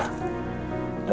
nata masih begini aja dia